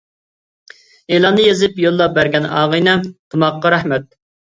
ئېلاننى يېزىپ، يوللاپ بەرگەن ئاغىنەم تۇماققا رەھمەت!